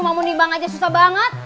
mau menimbang aja susah banget